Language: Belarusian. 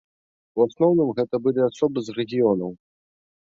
У асноўным гэта былі асобы з рэгіёнаў.